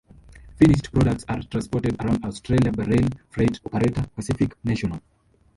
Finished products are transported around Australia by rail freight operator Pacific National.